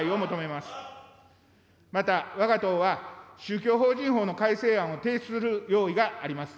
また、わが党は宗教法人法の改正案を提出する用意があります。